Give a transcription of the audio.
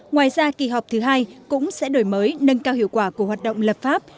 ngoài ra kỳ họp thứ hai cũng sẽ đổi mới nâng cao hiệu quả của hoạt động lập pháp